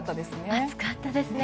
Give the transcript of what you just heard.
暑かったですね。